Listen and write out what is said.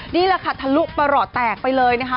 นี่แหละค่ะทะลุประหลอดแตกไปเลยนะคะ